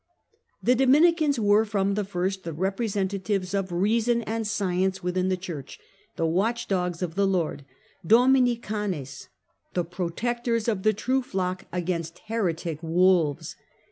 The Dominicans were, from the first, the representa tives of reason and science within the Church, the " watch dogs of the Lord " {Domini canes), the protectors of the true flock against heretic wolves.